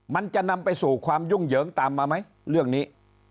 มันจะนำไปสู่ความยุ่งเหยิงตามมาไหมเรื่องนี้